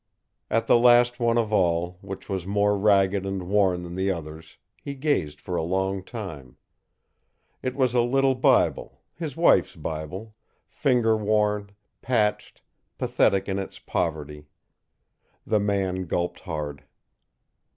At the last one of all, which was more ragged and worn than the others, he gazed for a long time. It was a little Bible, his wife's Bible, finger worn, patched, pathetic in its poverty. The man gulped hard.